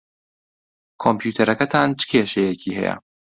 کۆمپیوتەرەکەتان چ کێشەیەکی ھەیە؟